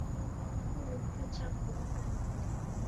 Kifurute chapuruka noko.